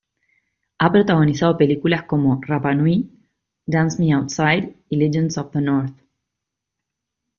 Ha protagonizado películas como "Rapa-Nui", "Dance Me Outside" y "Legends of the North".